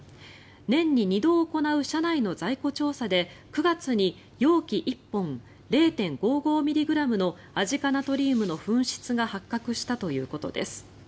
年に２度行う社内の在庫調査で９月に容器１本０．５５ミリグラムのアジ化ナトリウムの紛失が発覚したということです。